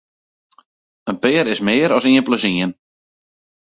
In pear is mear as ien plus ien.